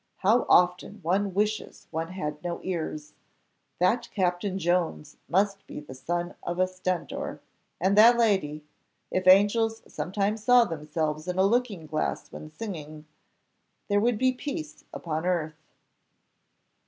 how often one wishes one had no ears: that Captain Jones must be the son of Stentor, and that lady! if angels sometimes saw themselves in a looking glass when singing there would be peace upon earth."